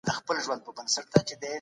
نیوکلاسیک عالمانو د سرمایې تعریف بدل کړ.